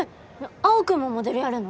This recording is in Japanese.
青君もモデルやるの？